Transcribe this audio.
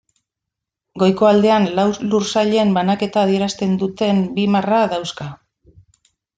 Goiko aldean lau lursailen banaketa adierazten duten bi marra dauzka.